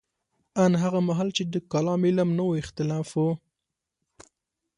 ان هغه مهال چې د کلام علم نه و اختلاف وو.